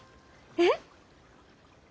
えっ？